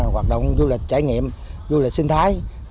hoạt động du lịch trải nghiệm du lịch sinh thái